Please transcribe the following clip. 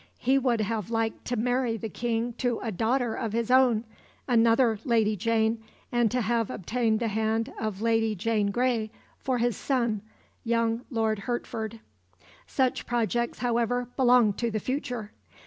He would have liked to marry the King to a daughter of his own, another Lady Jane, and to have obtained the hand of Lady Jane Grey for his son, young Lord Hertford. Such projects, however, belonged to the future.